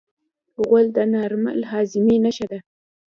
غول د نارمل هاضمې نښه ده.